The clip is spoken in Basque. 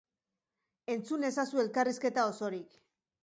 Entzun ezazu elkarrizketa osorik.